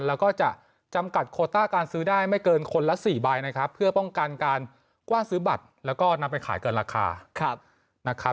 แล้วก็จะจำกัดโคต้าการซื้อได้ไม่เกินคนละ๔ใบนะครับเพื่อป้องกันการกว้างซื้อบัตรแล้วก็นำไปขายเกินราคานะครับ